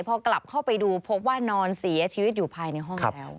พอกลับเข้าไปดูพบว่านอนเสียชีวิตอยู่ภายในห้องแล้ว